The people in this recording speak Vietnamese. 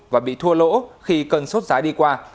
và bị thua lỗ khi cơn sốt giá đi qua